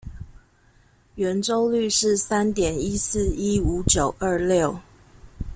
圓周率是三點一四一五九二六